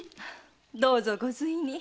どうぞご随意に。